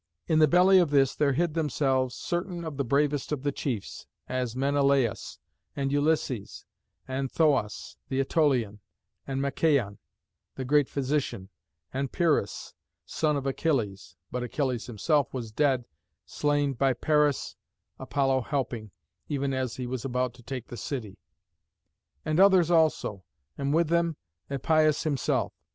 In the belly of this there hid themselves certain of the bravest of the chiefs, as Menelaüs, and Ulysses, and Thoas the Ætolian, and Machaon, the great physician, and Pyrrhus, son of Achilles (but Achilles himself was dead, slain by Paris, Apollo helping, even as he was about to take the city), and others also, and with them Epeius himself.